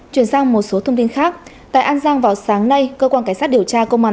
chuyển sang một số thông tin khác tại an giang vào sáng nay cơ quan cảnh sát điều tra công an